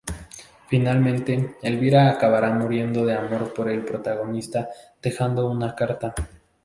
Finalmente, Elvira acabará muriendo de amor por el protagonista dejando una carta.